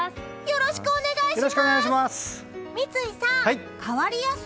よろしくお願いします！